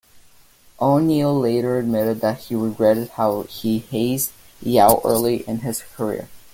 O'Neal later admitted that he regretted how he hazed Yao early in his career.